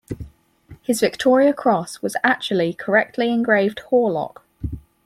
His Victoria Cross was actually correctly engraved Horlock.